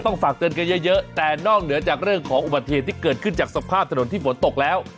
ฝากเตือนกันเยอะแต่นอกเหนือจากเรื่องของอุบัติเหตุที่เกิดขึ้นจากสภาพถนนที่ฝนตกแล้ว